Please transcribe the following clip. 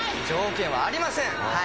条件はありません。